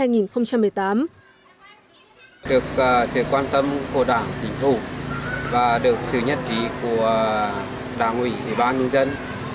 sự quan tâm của đảng tỉnh thủ và được sự nhất trí của đảng ủy bán nhân dân